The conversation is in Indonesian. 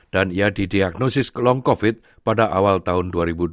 dan ia didiagnosis ke long covid pada awal tahun dua ribu dua puluh